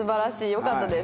よかったです。